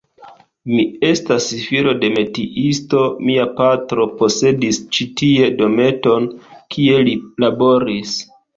Mi estas filo de metiisto, mia patro posedis ĉi tie dometon, kie li laboris.